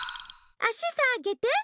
あしさげて！